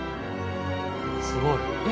すごい。え？